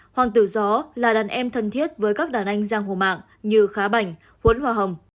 hoàng tử gió là đàn em thân thiết với các đàn anh giang hồ mạng như khá bảnh huấn hòa hồng